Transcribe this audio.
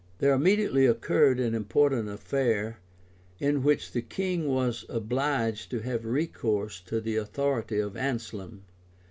There immediately occurred an important affair, in which the king was obliged to have recourse to the authority of Anselm.